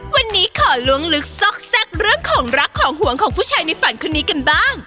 วันนี้ขอล้วงลึกซอกแซ่กเรื่องของรักของห่วงของผู้ชายในฝันคนนี้กันบ้าง